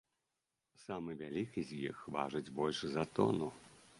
Самы вялікі з іх важыць больш за тону.